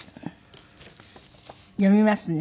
読みますね。